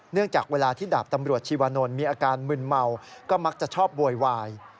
จากเวลาที่ดาบตำรวจชีวานนท์มีอาการมึนเมาก็มักจะชอบโวยวาย